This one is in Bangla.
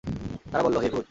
তারা বলল, হে হূদ!